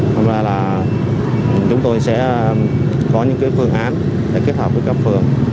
thông ra là chúng tôi sẽ có những phương án để kết hợp với cấp phường